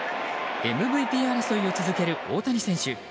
ＭＶＰ争いを続ける大谷選手。